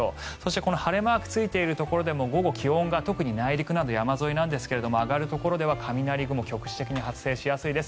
この晴れマークがついているところでも午後、気温が内陸など上がるところでは雷雲が局地的に発生しやすいです。